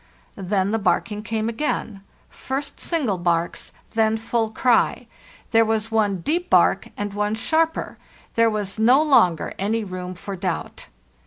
Then the barking came again—first single barks, then full cry; there was one deep bark, and one sharper; there was no longer any room for doubt.